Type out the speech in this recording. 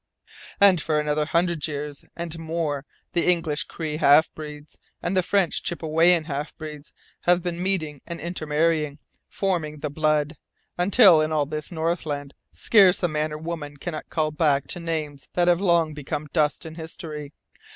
"And for another hundred years and more the English Cree half breed and the French Chippewyan half breed have been meeting and intermarrying, forming the 'blood,' until in all this Northland scarce a man or a woman cannot call back to names that have long become dust in history.